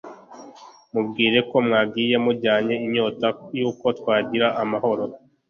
mubwire ko mwagiye mujyanye inyota y'uko twagira amahoro